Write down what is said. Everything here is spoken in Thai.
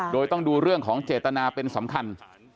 โดยต้องดูเรื่องของเจตนาเป็นสำคัญ